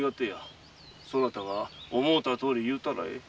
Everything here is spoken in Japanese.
そなたが思うたとおり言うたらええ。